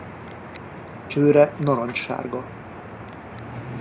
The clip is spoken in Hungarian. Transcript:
Csőre narancssárga.